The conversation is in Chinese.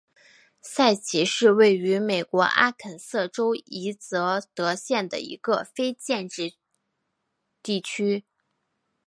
塞奇是位于美国阿肯色州伊泽德县的一个非建制地区。